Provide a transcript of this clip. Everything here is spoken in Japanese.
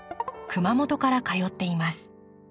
熊本から通っています。